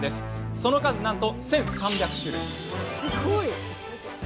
その数、なんと１３００種類。